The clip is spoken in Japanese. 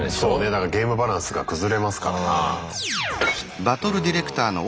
だからゲームバランスが崩れますからな。